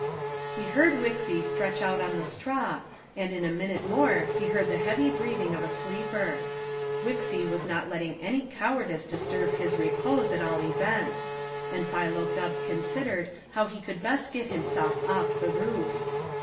He heard Wixy stretch out on the straw, and in a minute more he heard the heavy breathing of a sleeper. Wixy was not letting any cowardice disturb his repose, at all events, and Philo Gubb considered how he could best get himself off the roof.